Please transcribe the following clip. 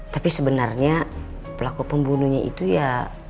tapi sebenarnya pelaku pembunuhnya itu ya